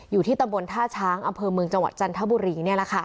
อยู่ที่ตำบลท่าช้างอำเภอเมืองจังหวัดจันทบุรี